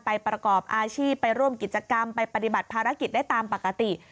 ประกอบอาชีพไปร่วมกิจกรรมไปปฏิบัติภารกิจได้ตามปกติ